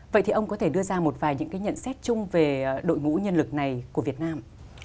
vậy thì ông có thể đưa ra một vài những cái nhận xét chung về đội ngũ nhân lực này của việt nam